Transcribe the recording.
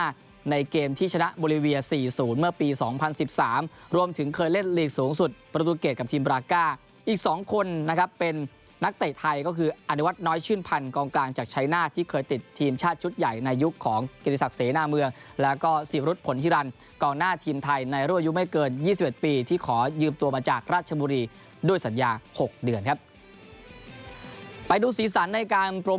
เกมที่ชนะบุรีเวีย๔๐เมื่อปี๒๐๑๓รวมถึงเคยเล่นลีกสูงสุดประตูเกตกับทีมบราก่าอีก๒คนนะครับเป็นนักเตะไทยก็คืออัณวัติน้อยชื่นพันธุ์กลางจากชายหน้าที่เคยติดทีมชาติชุดใหญ่ในยุคของเกษัตริย์ศักดิ์เสน่ห์หน้าเมืองแล้วก็สีพรุษผลฮิรันต์กล่องหน้าทีมไทยในรั่วยุค